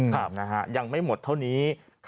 ครับนะฮะยังไม่หมดเท่านี้